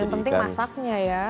yang penting masaknya ya